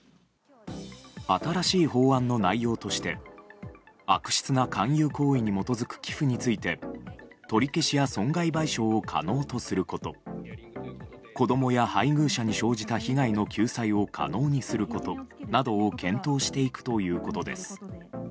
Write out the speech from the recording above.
新しい法案の内容として悪質な勧誘行為に基づく寄付について、取り消しや損害賠償を可能とすること子供や配偶者に生じた被害の救済を可能にすることなどを検討していくということです。